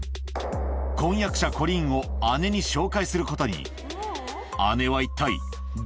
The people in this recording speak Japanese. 婚約者、コリーンを姉に紹介することに。